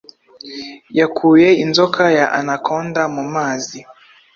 Yakuye inzoka ya Anaconda mu mazi